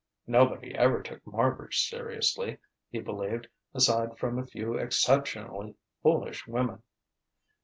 Nobody ever took Marbridge seriously, he believed, aside from a few exceptionally foolish women....